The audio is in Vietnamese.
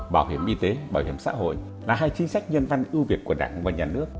bảo hiểm y tế bảo hiểm xã hội là hai chính sách nhân văn ưu việt của đảng và nhà nước